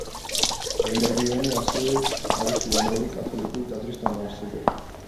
ელეონორი ასევე არის უამრავი კათოლიკური ტაძრის დამაარსებელი.